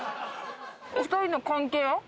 お二人の関係は？